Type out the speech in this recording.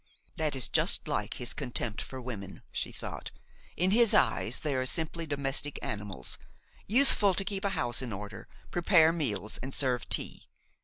"That is just like his contempt for women," she thought; "in his eyes they are simply domestic animals, useful to keep a house in order, prepare meals and serve tea.